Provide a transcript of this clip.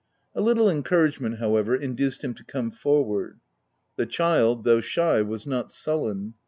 A little encouragement, however, induced him to come forward. The child, though shy, was not sullen.